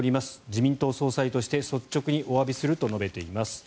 自民党総裁として率直におわびすると述べています。